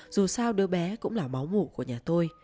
dù sao đứa bé cũng là máu ngủ của nhà tôi